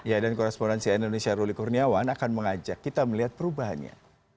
ya dan korespondensi indonesia ruli kurniawan akan mengajak kita melihat perubahannya